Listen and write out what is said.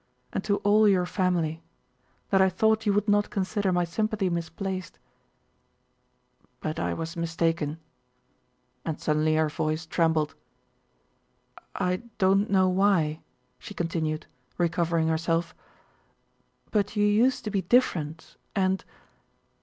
and to all your family that I thought you would not consider my sympathy misplaced, but I was mistaken," and suddenly her voice trembled. "I don't know why," she continued, recovering herself, "but you used to be different, and..."